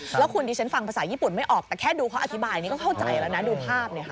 แล้วคุณดิฉันฟังภาษาญี่ปุ่นไม่ออกแต่แค่ดูเขาอธิบายนี่ก็เข้าใจแล้วนะดูภาพเนี่ยค่ะ